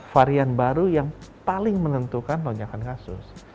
varian baru yang paling menentukan lonjakan kasus